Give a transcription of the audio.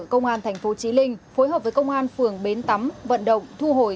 công an tp chí linh phối hợp với công an phường bến tắm vận động thu hồi